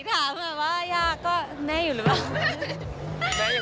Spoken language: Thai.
ถามหน่อยว่ายากก็แน่อยู่หรือเปล่า